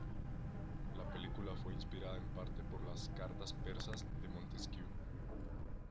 La película fue inspirada en parte por las "Cartas Persas" de Montesquieu.